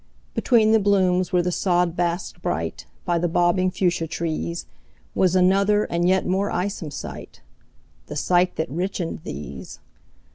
Between the blooms where the sod basked bright, By the bobbing fuchsia trees, Was another and yet more eyesome sight— The sight that richened these.